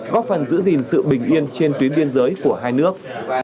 góp phần giữ gìn sự bình yên trên tuyến biên giới của hai nước